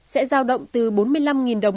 sẽ giao động từ bốn mươi năm đồng